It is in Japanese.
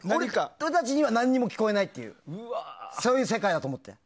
俺たちには何も聴こえないっていうそういう世界だと思って。